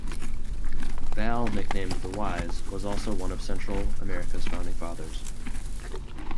Valle nicknamed 'The Wise' was also, one of Central America's founding fathers.